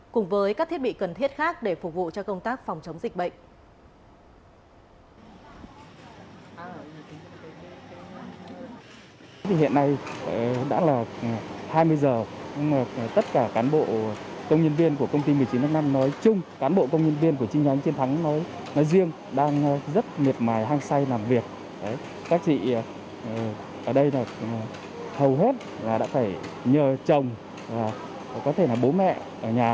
cùng với các thiết bị cần thiết khác để phục vụ cho công tác phòng chống dịch bệnh